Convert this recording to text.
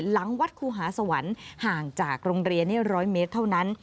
หลังวัดครูหาสวรรค์ห่างจากโรงเรียน๑๐๐เมตรเท่านั้น